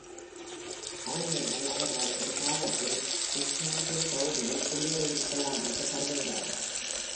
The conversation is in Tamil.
அறிஞர்கள், அவர்கள் ஒரு காலத்தில் விஸ்கான்சின் பகுதியில் குடியேறியிருக்கலாம என்று கருதுகிறார்கள்.